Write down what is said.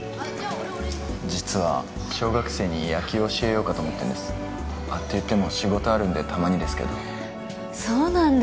俺オレンジ実は小学生に野球を教えようかと思ってるんですあっていっても仕事あるんでたまにですけどそうなんだ